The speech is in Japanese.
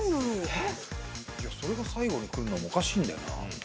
それが最後にくるのもおかしいんだよな。